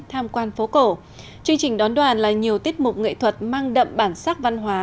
tham quan phố cổ chương trình đón đoàn là nhiều tiết mục nghệ thuật mang đậm bản sắc văn hóa